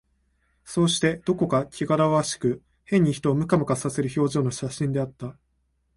そうして、どこかけがらわしく、変に人をムカムカさせる表情の写真であった